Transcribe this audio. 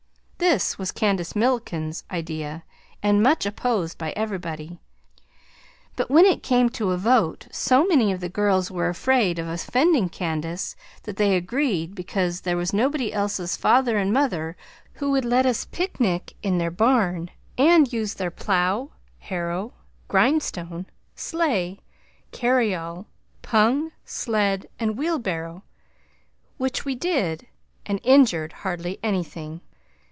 This was Candace Milliken's idea and much opposed by everybody, but when it came to a vote so many of the girls were afraid of offending Candace that they agreed because there was nobody else's father and mother who would let us picnic in their barn and use their plow, harrow, grindstone, sleigh, carryall, pung, sled, and wheelbarrow, which we did and injured hardly anything.